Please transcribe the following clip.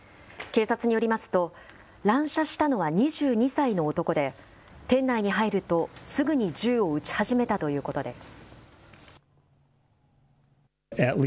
警察によりますと、乱射したのは２２歳の男で、店内に入るとすぐに銃を撃ち始めたということです。